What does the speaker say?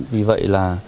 vì vậy là